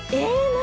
何？